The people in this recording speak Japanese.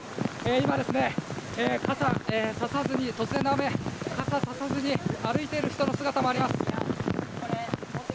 今、突然の雨に傘をささずに歩いている人の姿もあります。